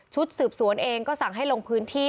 สืบสวนเองก็สั่งให้ลงพื้นที่